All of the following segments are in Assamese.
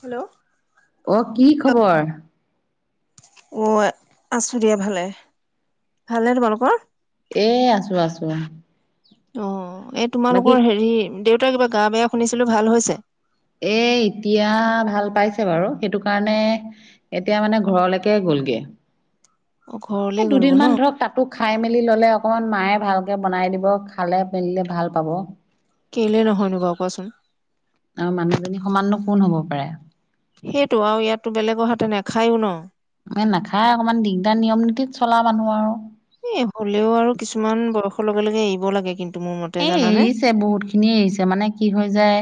হেল্ল' অ কি খবৰ? অ আছো দিয়া ভালে ভালে তোমালোকৰ এ আছো আছো অ এই বাকী তোমালোকৰ হেৰি দেউতাৰ কিবা গা বেয়া শুনিছিলো ভাল হৈছে এ এতিয়া ভাল পাইছে বাৰু সেইটো কাৰণে এতিয়া মানে ঘৰলৈকে গল খোলগে [inaudible] ঘৰলে এ গ'লগৈ ন? দুদিনমান ধৰক তাতো খাই মেলি ললে অকমান মায়ে ভালকে বনাই দিব খালে পিন্ধিলে ভাল পাব কেলে নহয়নো বাও কোৱাচোন। আৰু মানুহজনী সমানো কোন হব পাৰে। সেইটো আৰু ইয়াতো বেলেগ অহাতে নেখায়ো ন। নাখায় অকমান দিগদাৰ নিয়ম নীতিত চলা মানুহ আৰু। এ হ'লেও আৰু কিছুমান বয়সৰ লগে - লগে এৰিব লাগে কিন্তু। মোৰ মতে এ - জানানে? এৰিছে বহুত খিনিয় এৰিছে মানে কি হৈ যায়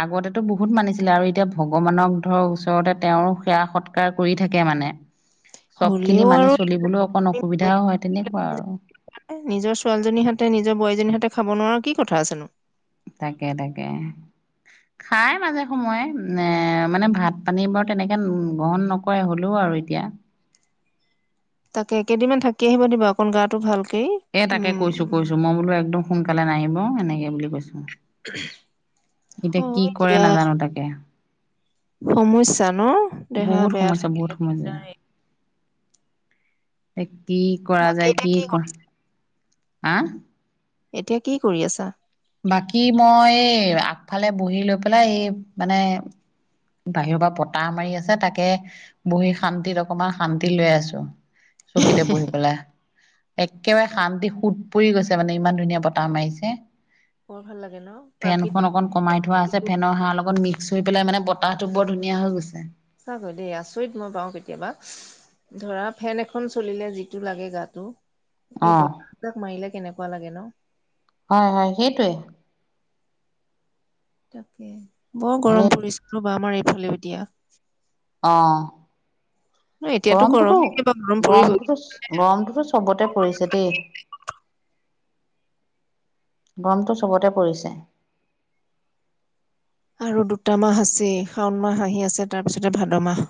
আগতেতো বহুত মানিছিলে আৰু এতিয়া ভগৱানক ধৰ ওচৰতে তেওঁৰ সেৱা সৎকাৰ কৰি থাকে মানে চব হ'লেও খিনি আৰু মানি চলিবলৈ অকণ অসুবিধাও হয় তেনেকুৱা আৰু নিজৰ ছোৱালীজনীৰ হাতে নিজৰ বোৱাৰীজনীৰ হাতে খাব নোৱাৰো কি কথা আছেনো তাকে তাকে খাই মাজে সময়ে এ মানে ভাত পানী বাৰু তেনেকে গ্ৰহণ নকৰে হ'লেও আৰু আৰু এতিয়া তাকে একেইদিনমান থাকি আহিব দিব অকণ গাটো ভাল এ তাকে কৈছো কৈছো মই বোলো একদম সোনকালে নাহিব এনেকে বুলি কৈছো এতিয়া কি হয় কৰে দিয়া, নাজানো তাকে সমস্যা ন দেহা বহুত বেয়া সমস্যা বহুত থাকিলে সমস্যা দগদাৰ এ কি কৰা বাকী যায় এতিয়া কি কৰি কৰা আ এতিয়া কি কৰি আছা বাকী মই এই আগফালে বহি লৈ পেলাই এই মানে বাহিৰৰ পৰা বতাহ মাৰি আছে তাকে বহি শান্তিত অকমান শান্তি লৈ আছো চকীতে বহি পেলাই একেবাৰে শান্তি সোত পৰি গৈছে মানে ইমান ধুনীয়া বতাহ মাৰিছে বৰ ভাল লাগে ন ফেনখন প্ৰাকৃতিক অকন কমাই থোৱা আছে যিটো ফেনৰ সাৰ লগত মিক্স ধুই পেলাই মানে বতাহটো বৰ ধুনীয়া হৈ গৈছে সঁচাকৈ দেই আচৰিত মই পাওঁ কেতিয়াবা ধৰা ফেন এখন চলিলে যিটো লাগে গাটো অ এই বতাহ যাক মাৰিলে কেনেকুৱা লাগে ন হয় হয় সেইটোৱে তাকে বৰ সেই গৰম পৰিছে ৰব আমাৰ এইফালে দিয়া অ ন এতিয়াতো গৰম গৰমটোতো কেতিয়াবা গৰম পৰিবই। গৰমটোতো গৰমটোতো চবতে পৰিছে দেই [inaudible] গৰমটো চবতে পৰিছে আৰু দুটা মাহ আছেই শাওণ মাহ আহি আছে তাৰপিছতে ভাদ মাহ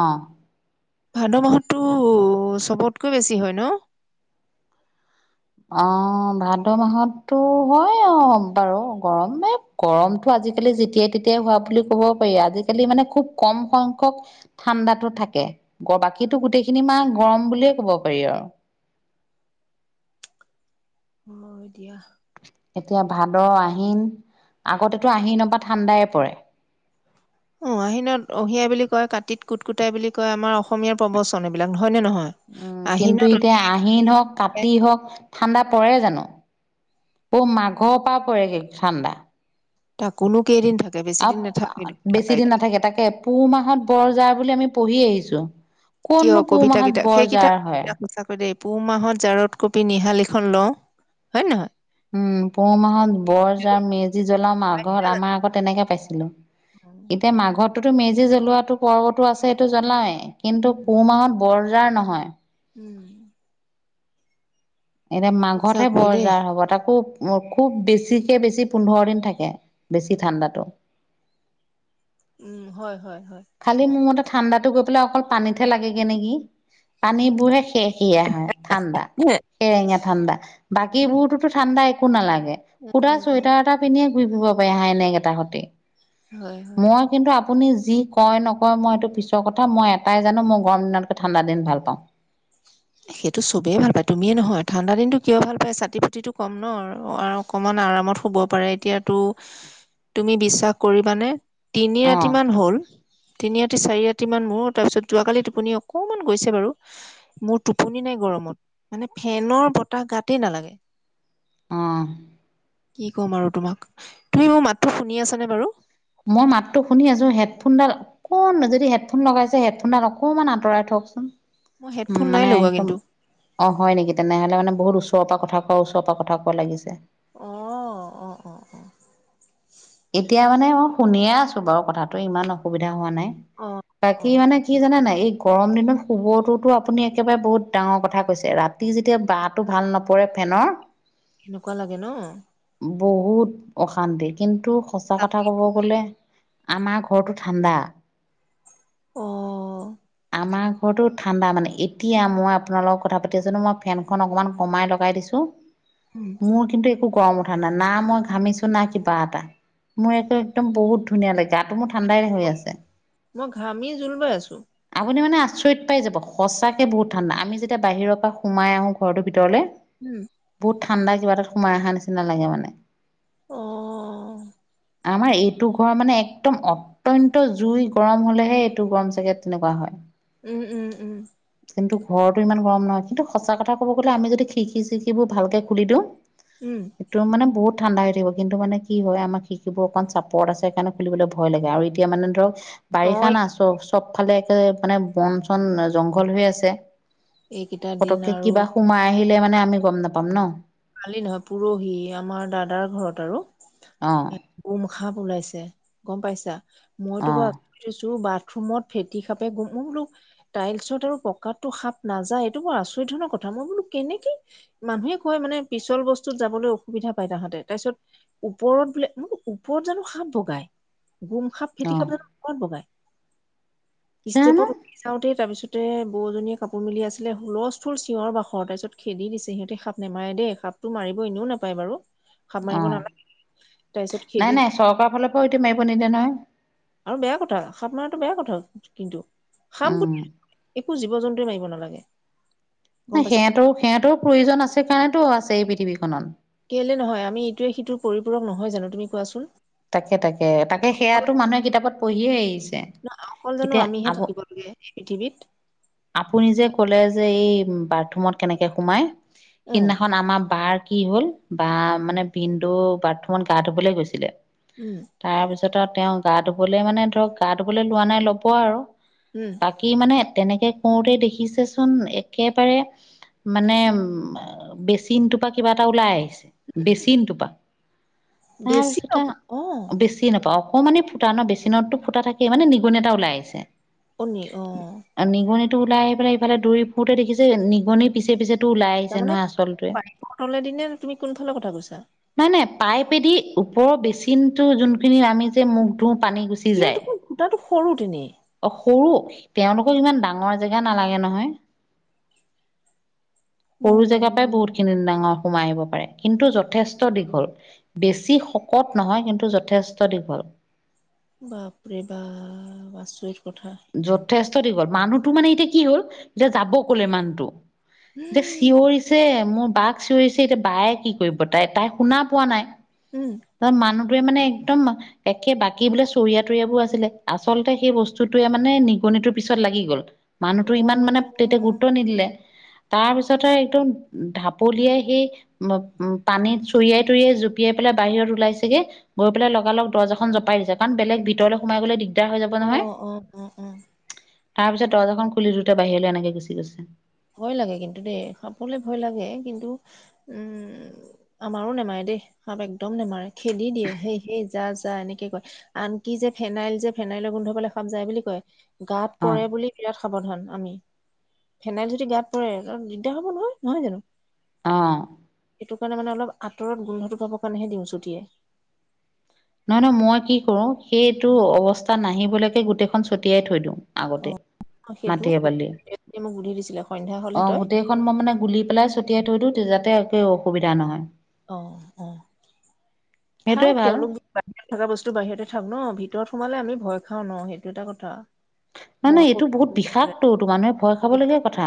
অ ভাদ মাহত টো চবতকৈ বেছি হয় ন অ ভাদ মাহতো হয় অ বাৰু গৰম গৰমতো আজ। আজিকালি যেতিয়াই তেতিয়াই হোৱা বুলি ক'ব পাৰি আজিকালি মানে খুব কম সংখ্যক ঠাণ্ডাতো থাকে। বাকীটো গোটেইখিনি মাহ গৰম বুলিয়ে ক'ব পাৰি আৰু এতিয়া এতিয়া ভাদ আহিন আগতেতো আহি নপা ঠাণ্ডাই পৰে। অ আহিনত অহিয়াই বুলি কয় কাতিত কুট কুটাই বুলি কয় আমাৰ অসমীয়াৰ প্ৰবচন এইবিলাক। হয় নে নহয়? উম কিন্তু আহিনত অহিয়া এতিয়া বুলি আহিন হওক কয়, কাটি হওক ঠাণ্ডা পৰে জানো ব মাঘৰ পৰা পৰেগ ঠাণ্ডা তাকোনো কেইদিন থাকে বেছি আ দিন নাথাকে বেছি দিন নাথাকে তাকে পুহ মাহত বৰ যাৰ বুলি আমি পঢ়ি আহিছো। কিয় কোননো পুহ কবিতা মাহত কিতাপ সেই কিতাপ বৰজাৰ হয়। সঁচাকৈ পুহ মাহত জাৰত কপি নিহালিখন লওঁ হয়ে নহয়। উম পোহ মাহত বৰজ আৰু মেজি জ্বলাও ম আঘৰত আমাৰ আগত তেনেকে পাইছিলো। এতিয়া মাঘত। তো মেজি জ্বলোৱাতটো পৰ্বতো আছে এইটো জ্বলাৱেই কিন্তু পুহ মাহত বৰজাৰ নহয়। উম। এতিয়া মাঘতহে সঁচাকৈ দেই। বৰজাৰ হব তাকো খুব বেছিকৈ বেছি পোন্ধৰ দিন থাকে বেছি ঠাণ্ডাটো। উম হয় হয়। খালি মোৰ মতে ঠাণ্ডাটো গৈ পেলাই অকল পানীতহে লাগেগে নেকি? পানীবোৰহে সে সীয়া হয় ঠাণ্ডা সেৰেঙীয়া ঠাণ্ডা বাকী বোৰতোতো ঠাণ্ডা একো নালাগে সুধা উম উম চুৱেটাৰ এটা পিন্ধিয়ে ঘূৰি ফিব পাৰি হায়নেক এটা সতে হয় হয়। মই কিন্তু আপুনি যি কয় নকয় মই এইটো পিছৰ কথা মই এটাই জানো মই গৰম দিনতকে ঠাণ্ডা দিন ভাল পাওঁ। সেইটো চবেই ভাল পায় তুমিয়ে নহয় ঠাণ্ডা দিনটো কিয় ভাল পাই চাতি ফুটটো কম ন অকনমান আৰামত শুব পাৰে এতিয়াতো তুমি বিশ্বাস কৰিবানে? তিনি ৰাতি অ', মান হল তিনি ৰাতি চাৰি ৰাতি মোৰ তাৰপিছত যোৱাকালি টোপুনি অকমান গৈছে বাৰু মোৰ টোপনি নাই গৰমত মানে ফেনৰ বতাহ গাতেই নালাগে। আহ। কি ক'ম আৰু তোমাক তুমি মোৰ মাতটো শুনি আছানে বাৰু? মই মাততো শুনি আছো হেডফোনডাল অকমান যদি হেডফোন লগাইছে হেডফোনডাল অকন আঁতৰাই থ মই হেডফোন নাই মানে লগোৱা একম কিন্তু অ হয় নেকি তেনেহলে মানে বহুত উছ ওচৰ পৰা কোৱা ওচৰৰ পৰা কথা কোৱা লাগিছে। আহ অ অ অ এতিয়া মানে মই শুনিয়ে আছো বাৰু কথাটো ইমান অসুবিধা হোৱা নাই অ বাকী অ', মানে কি জানা নাই এই গৰম দিনত শুবটোোতো আপুনি একেবাৰে বহুত ডাঙৰ কথা কৈছে ৰাতি যেতিয়া বাঁহটো ভাল নপৰে, ফেনৰ। কেনেকুৱা লাগে ন। বহুত অশান্তি কিন্তু সঁচা কথা ক'ব গলে। আমাৰ ঘৰটো ঠাণ্ডা। অ আমাৰ ঘৰতটো ঠাণ্ডা মানে এতিয়া মই আপোনাল লগক কথা পাতি আছানো মই ফেনখন অকমান কমাই লগাই দিছো। মোৰ কিন্তু একো গৰম উঠা নাই না মই ঘামিছো না কিবা এটা মোৰ একো একদম বহুত ধুনীয়া লাগে। গাটো মোৰ ঠাণ্ডাই হৈ আছে। মই ঘামি জোল বাই আছো আপুনি মানে আচৰিত পাই যাব সঁচাকৈ বহুত ঠাণ্ডা আমি যেতিয়া বাহিৰৰ পৰা সোমাই আহোঁ ঘৰটোৰ ভিতৰলৈ উম। বহুত ঠাণ্ডা কিবা এাত সোমাই অহা নিচিনা লাগে মানে আহ আমাৰ এইটো ঘৰ মানে একদম অত্যন্ত জুই গৰম হলেহে এইটো গৰম চাগে তেনেকুৱা হয়। উম উম উম। কিন্তু ঘৰতো ইমান গৰম নহয় কিন্তু সঁচা কথা কব গলে আমি যদি খিখি চিখিবোৰ ভালকে খুলি দিওঁ। উম সেইটো মানে বহুত ঠাণ্ডা হৈ থাক কিন্তু মানে কি হয় আমাৰ শিকিবোৰ অকণ চাপৰত আছে সে কাৰকাৰণে খুলিবলৈ ভয় লাগে আৰু এতিয়া মানে ধৰক। বাৰিষা অ', না চব চব ফালে একে মানে বন চন জংঘল হৈ আছে। এইকেইটা দিন পতকে আৰু কিবা সোমাই আহিলে মানে আমি গম নাপাম ন। কালি নহয় পৰহি আমাৰ দাদাৰ ঘৰত আৰু অ এ গোমখা। ওলাইছে গম পাইছা মইতো অ বা আছো বাট। ৰুমত ফেটি খাপে গোম মই বোলো টাইলছত আৰু পকতটো সাপ নাযায় এইটো বৰ আচৰিত ধৰণৰ কথা। মই বোলো কেনেকে মানুহে কয় মানে। পিছল বস্তুত যাবলৈ অসুবিধা পায় তাহাঁতে তাৰ পিছত, ওপৰত বোলে মই ওপৰত জানো সাপ বগাই। গোম খাপ অ ফেটি খাপ জানো কত বগাই। জানো ষ্টেপত উঠি চাও দেই তাৰপিছত। সতে বজনীয়ে কাপোৰ মিলি আছিলে হুলস্থুল চিঞৰ বাখৰ তাৰপিছত খেদি দিছে সিহঁতে সাপ নেমাৰে দে। কাপটো মাৰিব এনেও নাপায় বাৰু। সাপ অ, মাৰিব না তাৰপিছত খেদি নাই দি নাই চৰকাৰ ফালৰ পৰাও সটো মাৰিব নিদে নহয়। আৰু বেয়া কথা সাপ মাৰটো বেয়া কথা কিন্তু খাপ। উম একো জীৱ জন্তুৱে মাৰিব নালাগে। ন গম পাইছা সিহঁতৰো সিহঁতৰ প্ৰয়োজন আছে কাৰণেতো আছে এই পৃথিৱীখনত। এইটো বুলিয়ে নহয় আমি ইটোৱে সটো পৰিপূক নহয় জানো তুমি কোৱাচোন। তাকে তাকে তাকে সেয়াতটো মানুহে কিতাপত পঢ়িয়ে আহিছে। অকল জানো এতিয়া আমিহে আপ থাকিবলগে পৃথিৱীত। আপুনি যে কলেজ। যে এই বাথৰুমত কেনেকে সোমাই, অ সিদিনাখন আমাৰ বাৰ। কি হ'ল বা মানে বিন্দু বাথৰুমত গা ধুবলৈ গৈছিলে উম তাৰপিছত। তেওঁ গা ধুবলৈ মানে ধৰক গা ধুবলৈ লোৱা নাই ল'ব আৰু উম বাকী মানে। তেনেকে কওঁতে দেখিছেচোন একেবাৰে। মানে উ বেচিনটোপা কিবা এটা ওলাই আহিছে বেচিনটোপা। বেছি নপ। [unintelligible] বেছি নাপাওঁ অকমানে ফুটা ন বেচিনততো ফুটা থাকে মানে নিগুন এটা ওলাই আহিছে। নিগনি আহ। টো ওলাই পেলাই ইফালে দৌৰি ফুৰোতে দেখিছে নিগনি পিছে পিছে। তাৰমানে পাইপৰ তলেদি নে তুমি কোনফালৰ কথা কৈছা। নাই নাই পাইপেদি ওপৰৰ বেচিন টো যোনখিনি আমি যে মুখ ধূওঁ। পানী গুচি এতিয়া যায়, দেখোন খুটাটো সৰু তেনেই অ সৰু। তেওঁলোকৰ ইমান ডাঙৰ জেগা নালাগে নহয়। মোৰ সৰু জেগাৰ মন পৰাই বহুত খিনি ডাঙৰ। সোমাই আহিব পাৰে কিন্তু যথেষ্ট দীঘল বেছি শকত। নহয় কিন্তু যথেষ্ট দীঘল। বাপৰে বা আচৰিত। কথা যথেষ্ট দীঘল মানুহটো মানে এতিয়া কি হ'ল এতিয়া যাব ক'লে মানুহটো। এতিয়া উম চিঞৰিছে মোৰ। বাক চিঞৰিছে এতিয়া বায়ে কি কৰিব তাই তাই শুনা পোৱা নাই উম ত মানুহ। মানে একদম একে বাকী বোলে চৰিয়া তৰিয়া বোৰ আছিলে আচলতে সেই বস্তু। টোৱে মানে নিগনিটোৰ পিছত লাগি গ'ল, মানুহতটো অ ইমান মানে তেতিয়া গুৰুত্ব নিদিলে। তাৰ পিছতে একদম ঢাপলিয়াই সেই উ পানীত চুৰিয়াই তুৰিয়াই জুপিয়াই পেলাই। বাহিৰত ওলাইছেগে গৈ পেলাই লগাল লগ দজ এখন জপাই দিছে কাৰণ বেলেগ ভিতৰলৈ সোমাই গলে দিগ। লেতেৰা হৈ যাব অ নহয়। অ অ অ তাৰ পিছত দৰ্জা খুলি দুইটা বাহিৰলৈ এনেকে গুচি গৈছে। ভয় লাগে কিন্তু দেই সাপেলে ভয় লাগে কিন্তু, উম আমাৰো নেমাৰে দেই সাপ একদম নেমাৰে খেদি দিয়ে সেই সেই যা যা এনেকে কয় আনকি যে ফেনাইল যে ফোই। ফেনাইলৰ গোন্ধ পালে সাপ যায় বুলি কয়, গাত অ পৰে অ বুলি বিৰাট সাৱধান আমি। ফেনাইল যদি গাত পৰে দিগদাৰ হ'ব নহয় নহয় জানো। অহ। এইটো কাৰণে মানে অলপ আঁতৰত গোন্ধটো পাবৰ কাৰণেহে দিওঁ ছটিয়াই। নহয়, নহয় মই কি কৰো সেইটো অৱস্থা নাহিবলৈ এই গোটেইখন ছটিয়াই থৈ দিওঁ আগতে, অ সেইটোও কৰো মাটি-বালিয়ে। এতিয়া মোক বুদ্ধি দিছিলে সন্ধ্যা হলে অহ, তই গোটেইখন মই মানে গুলি পেলাই ছটিয়াই থৈ দিওঁ যাতে গোটেই অসুবিধা নহয়। অহ, অহ সেইটোৱে থাওক ভাল তেওঁলোক- বাহিৰত থকা বস্তু বাহিৰতে থাক ন ভিতৰত সোমালে আমি ভয় খাওঁ ন সেইটো এটা কথা। নহয়, নহয় এইটো বহুত বা বিষাকতটো মানুহে ভয় খাবলগীয়া বিষায় কথা।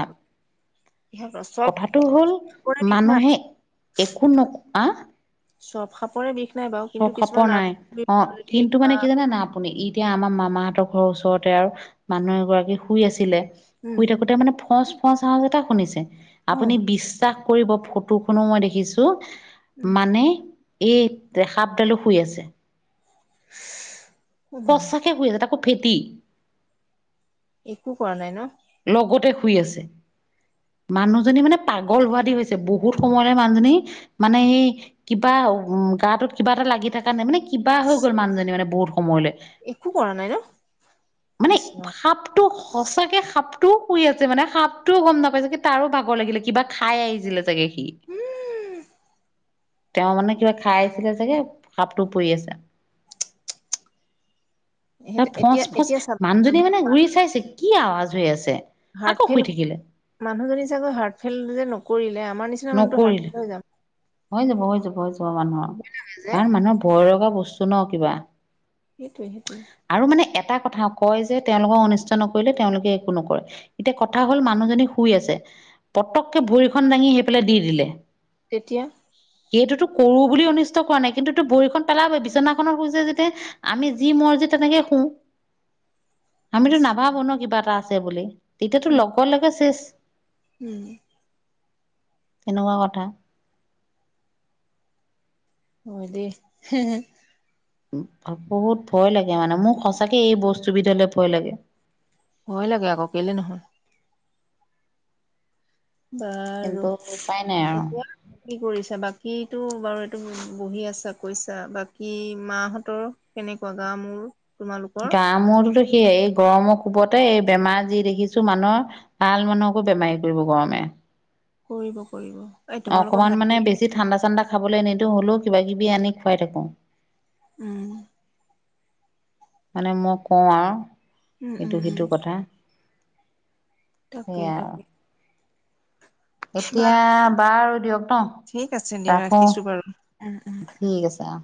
চব কথাটো হল সাপৰে বিষ নাই মানুহে একো নোক চব সাপৰে বিষ নাই বাৰু কিন্তু চব সাপৰ কিছুমান নাই। নাৰ্ভ অ, যদি কিন্তু মানে কিবা কি জানা না আপুনি ই এতিয়া আমাৰ মামাহঁতৰ ঘৰৰ ওচৰতে আৰু মানুহ এগৰাকী শুই আছিলে উম শুই থাকোতে মানে ফচ সজ আও এটা শুনিছে, অ, আপুনি বিশ্বাস কৰিব ফটো খনো মই দেখিছো উম মানে এইৰেখাপডালো শুই আছে। অ মা সঁচাকে শুই আছে, তাকো ফেটি। একো কৰা নাই ন লগতে শুই আছে। মানুহজনী মানে পাগল হোৱা দি হৈছে। বহুত সময়ৰে মানুহজনী মানে এই কিবা আউ গাটোত কিবা এটা লাগি থকা নাই মানে কিবা হৈ গ'ল মানুহজনী মানে বহুত। সময়লৈ। একো কৰা নাই ন মানে কৃষ্ণ সাপটো সঁচাকে সাপটোও শুই আছে মানে সাপটোও গম নাপাইচোগে তাৰো ভাগৰ লাগিলে কিবা খাই আহিছিলে চাগে। কি উম তেওঁ মানে কিবা খাই আছিলে চাগে সাপটো পৰি আছে। সেই তাত এতিয়া ফচ-ফচ এতিয়া চাবা মানুহজনী মানে ঘূৰি চাইছে কি আৱাজ হৈ আছে। হাৰ্ট আকৌ শুই ফেইল থাকিলে মানুহজনী চাগৈ হাৰ্ট ফেইল যে নকৰিলে আমাৰ নিচিনা মানুহ তো হাৰ্ট নকৰিলে ফেইল হৈ যাম। হৈ যাব হৈ যাব হৈ যাব মানুহৰ ভয় লাগে যে কাৰণ মানুহৰ ভয় লগা বস্তু ন কিবা সেইটোৱে সেইটোৱে। আৰু মানে এটা কথা কয় যে, তেওঁলোকক অনিষ্ট নকৰিলে তেওঁলোকে একো নকৰে। এতিয়া কথা হল মানুহজনী শুই আছে পতককে ভৰিখন দাঙি সেই পেলাই দি দিলে তেতিয়া? সেইটোতো কৰো বুলি অনিষ্ট কৰো বুলি অনিষ্ট কৰা নাই। কিন্তুটো ভৰি খন পেলাব বিচনাখনৰ শুইছে যেতিয়া আমি যি মৰযিত তেনেকে শুও [unintelligible] আমিতো নাভাবো ন, কিবা এটা আছে বুলি। তেতিয়াতো লগৰ লগে শেষ উম। তেনেকুৱা কথা। হয়, দেই বহুত ভয় লাগে মানে, মোৰ সঁচাকে এই বস্তুবিধ লে ভয় লাগে। ভয় লাগে আকৌ কেলে নহয়। বাৰু, কিন্তু উপায় নাই আৰু এতিয়া কি কৰিছা বাকী? এইটো বাৰু এইটো বহি আছা কৈছা। বাকী মাহঁতৰ কেনেকুৱা গা মূৰ গা মূৰ থিকেই, এই গৰমৰ কুবতে এই বেমাৰ যি দেখিছো মানুহৰ ভাল মানুহকো বেমাৰ কৰিব গৰমে। কৰিব। কৰিব এই তোমালোকৰ অকনমান মানে ভাইটি বেছি ঠাণ্ডা ঠাণ্ডা খাবলৈ নিদো হলেও কিবা-কিবি আনি খোৱাই থাকো। উম। মানে মই কওঁ আৰু উম উম উম ইটো-সিটো কথা। তাকে সেয়াই আৰু। তাকে। এতিয়া বাৰু বাৰ ঠিক আছে দিয়া ৰাখিছো বাৰু উম উম ঠিক আছে অ।